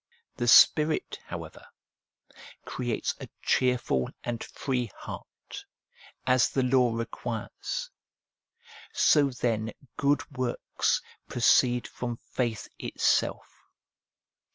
The Spirit, however, creates a cheerful 334 APPENDIX and free heart, as the law requires ; so then good works proceed from faith itself.